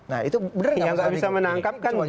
nah itu bener nggak bisa menangkap